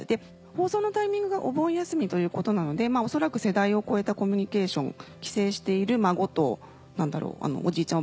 放送のタイミングがお盆休みということなので恐らく世代を越えたコミュニケーション帰省している孫とおじいちゃん